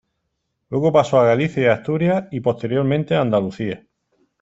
Luego pasó a Galicia y Asturias y posteriormente a Andalucía.